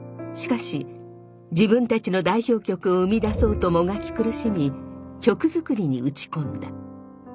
しかし自分たちの代表曲を生み出そうともがき苦しみ曲作りに打ち込んだ。